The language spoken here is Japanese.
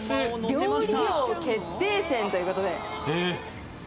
料理王決定戦ということで。